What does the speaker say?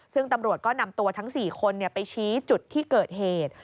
ซึ่งตำรวจก็นำตัวทั้ง๔คนไปชี้จุดที่เกิดเหตุ